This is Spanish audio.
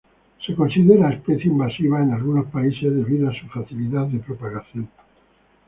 Se considera especie invasiva en algunos países debido a su facilidad de propagación.